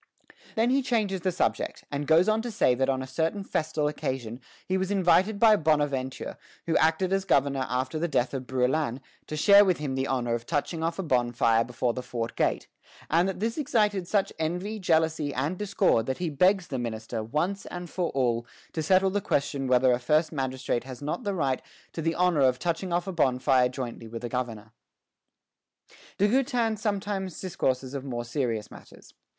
Then he changes the subject, and goes on to say that on a certain festal occasion he was invited by Bonaventure, who acted as governor after the death of Brouillan, to share with him the honor of touching off a bonfire before the fort gate; and that this excited such envy, jealousy, and discord that he begs the minister, once for all, to settle the question whether a first magistrate has not the right to the honor of touching off a bonfire jointly with a governor. De Goutin sometimes discourses of more serious matters.